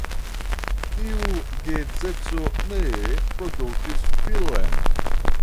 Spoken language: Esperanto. Tiu geedzeco ne produktis filon.